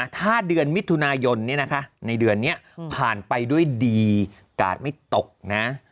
ถ้าเดือนมิถุนายนในเดือนนี้ผ่านไปด้วยดีกาดไม่ตกนะ